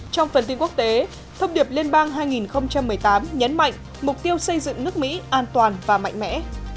trong phần tin quốc tế thông điệp liên bang hai nghìn một mươi tám nhấn mạnh mục tiêu xây dựng nước mỹ an toàn và mạnh mẽ